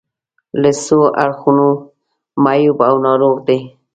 له څو اړخونو معیوب او ناروغ دي.